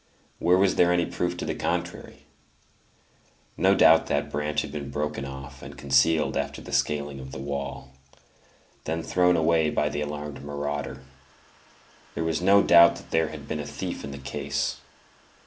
Where was there any proof to the contrary? No doubt that branch had been broken off and concealed after the scaling of the wall, then thrown away by the alarmed marauder; there was no doubt that there had been a thief in the case.